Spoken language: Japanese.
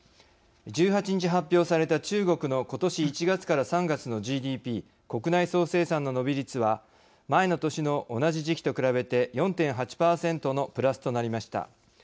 １８日発表された中国のことし１月から３月のＧＤＰ＝国内総生産の伸び率は前の年の同じ時期と比べて４．８％のプラスとなりました。